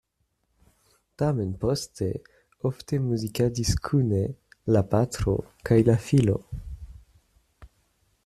Tamen poste ofte muzikadis kune la patro kaj la filo.